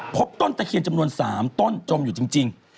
พบต้นตะเคียนจำนวน๓ต้นจมอยู่จริง